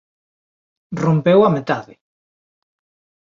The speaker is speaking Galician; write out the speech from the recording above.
Rompeu á metade.